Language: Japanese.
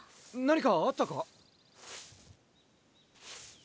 何かあったか？